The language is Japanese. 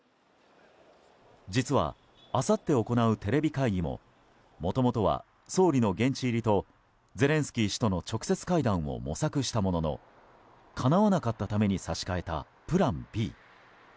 実は、あさって行うテレビ会議ももともとは総理の現地入りとゼレンスキー氏との直接会談を模索したもののかなわなかったために差し替えた、プランＢ。